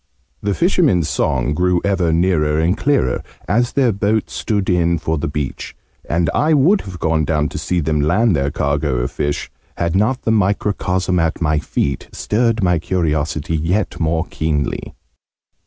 The fishermen's song grew ever nearer and clearer, as their boat stood in for the beach; and I would have gone down to see them land their cargo of fish, had not the microcosm at my feet stirred my curiosity yet more keenly.